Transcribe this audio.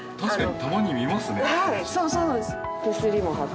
確かに。